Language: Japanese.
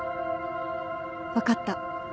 分かった。